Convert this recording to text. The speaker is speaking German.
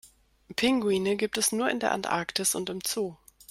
Pinguine gibt es nur in der Antarktis und im Zoo.